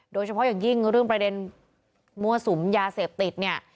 โดยเฉพาะอย่างยิ่งเรื่องประเด็นมั่วสุมยาเสพติดเนี่ย